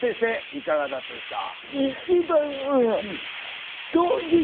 いかがだったですか？